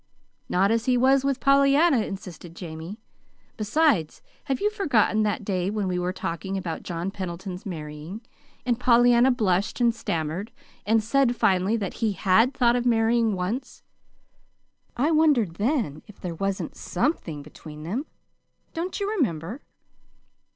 "Not as he was with Pollyanna," insisted Jamie. "Besides, have you forgotten that day when we were talking about John Pendleton's marrying, and Pollyanna blushed and stammered and said finally that he HAD thought of marrying once. Well, I wondered then if there wasn't SOMETHING between them. Don't you remember?"